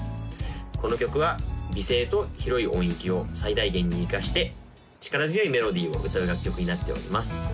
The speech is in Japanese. この曲は美声と広い音域を最大限に生かして力強いメロディーを歌う楽曲になっております